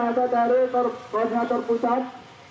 nanti ada dari korengator pusat